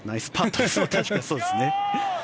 確かにそうですね。